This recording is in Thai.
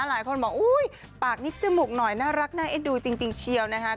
หลายคนบอกอุ๊ยปากนิดจมูกหน่อยน่ารักน่าเอ็นดูจริงเชียวนะคะ